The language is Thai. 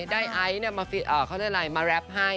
ได้ไอซ์เนี่ยเขาเรียกอะไรมาแรปให้